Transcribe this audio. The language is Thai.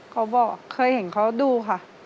เขาบอกเคยเห็นเขาดูค่ะ